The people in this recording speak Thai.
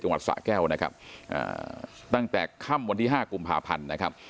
จังหวัดสะแก้วนะครับอ่าตั้งแต่ค่ำวันที่ห้ากุมภาพันธ์นะครับ